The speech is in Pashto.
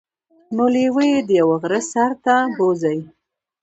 نو لیوه يې د یوه غره سر ته بوځي.